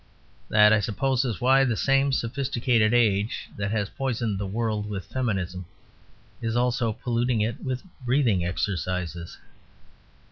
That, I suppose, is why the same sophisticated age that has poisoned the world with Feminism is also polluting it with Breathing Exercises.